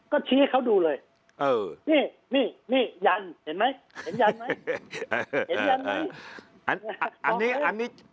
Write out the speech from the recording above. ก็ชี้เขาดูเลยนี่นี่นี่ยันเห็นไหมเห็นยันไหมเห็นยันไหม